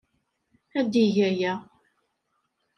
Ad yeg aya.